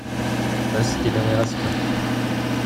Ad as-tent-in-awiɣ azekka.